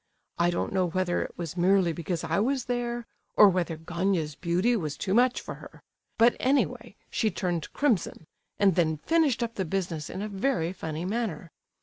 I don't know whether it was merely because I was there, or whether Gania's beauty was too much for her! But anyway, she turned crimson, and then finished up the business in a very funny manner.